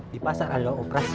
di pasar ada operasi